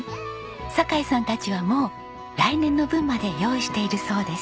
坂井さんたちはもう来年の分まで用意しているそうです。